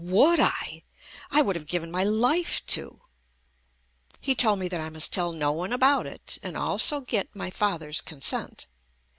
Would I? I would have given my life to. He told me that I must tell no one about it, and also get my father's consent.